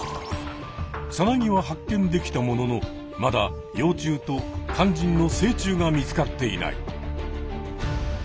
さなぎは発見できたもののまだ幼虫とかんじんの成虫が見つかっていない。